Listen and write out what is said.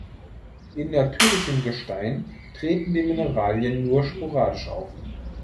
In natürlichem Gestein treten die Mineralien nur sporadisch auf.